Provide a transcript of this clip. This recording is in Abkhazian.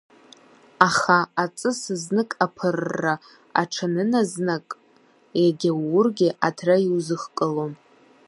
Аха, аҵыс знык аԥырра аҽаныназнак, иагьа уургьы, аҭра иузыхкылом.